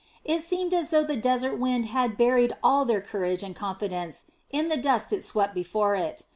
It seemed as though the desert wind had buried all their courage and confidence in the dust it swept before it.